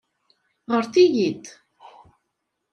Ɣret-iyi-d!